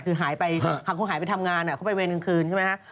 คือหายไปหากคงหายไปทำงานเข้าไปบริเวณกลางคืนใช่ไหม